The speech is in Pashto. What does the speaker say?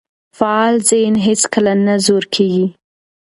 فعال ذهن هیڅکله نه زوړ کیږي.